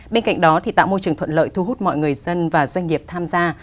bên cạnh đó tạo môi trường thuận lợi thu hút mọi người dân và doanh nghiệp tham gia